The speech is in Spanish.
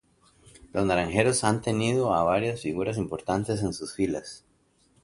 Los Naranjeros han tenido a varias figuras importantes en sus filas.